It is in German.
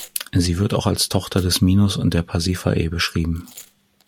Sie wird auch als Tochter des Minos und der Pasiphae beschrieben.